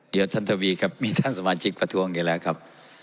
หยอดท่านทะวีครับมีท่านสมาชิกประท่วงทีแล้วครับ